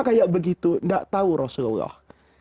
kayak begitu nggak tahu rasulullah